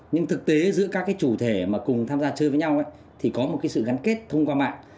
nhưng thực tế giữa các cái chủ thể mà cùng tham gia chơi với nhau thì có một cái sự gắn kết thông qua mạng